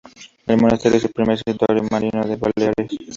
El monasterio es el primer santuario mariano de Baleares.